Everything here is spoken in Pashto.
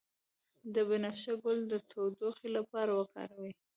د بنفشه ګل د ټوخي لپاره وکاروئ